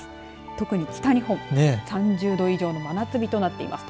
特に北日本３０度以上の真夏日となっています。